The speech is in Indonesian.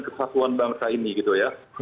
kesatuan bangsa ini gitu ya